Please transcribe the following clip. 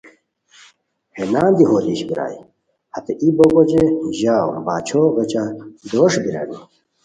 ہے نان دی ہو دیش بیرائے ہتے ای بوک اوچے ژاؤ باچھو غیچہ دوݰ بیرانی